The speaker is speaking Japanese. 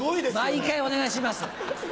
毎回お願いします。